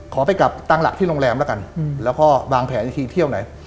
ไปกลับตั้งหลักที่โรงแรมแล้วกันแล้วก็วางแผนอีกทีเที่ยวไหน